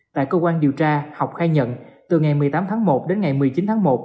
tại cơ quan điều tra học khai nhận từ ngày một mươi tám tháng một đến ngày một mươi chín tháng một